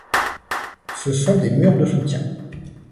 Ce sont des murs de soutien.